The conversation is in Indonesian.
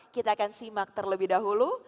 kita akan simak terlebih dahulu